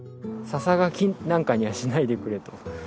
ささがきなんかにはしないでくれと。